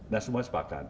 nah semua sepakat